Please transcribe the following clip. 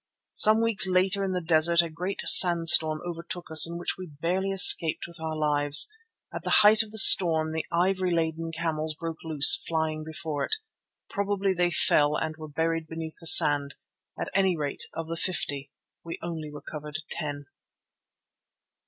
Some weeks later in the desert a great sandstorm overtook us in which we barely escaped with our lives. At the height of the storm the ivory laden camels broke loose, flying before it. Probably they fell and were buried beneath the sand; at any rate of the fifty we only recovered ten.